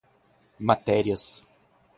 matérias